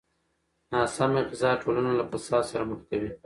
ناسمه غذا ټولنه له فساد سره مخ کوي.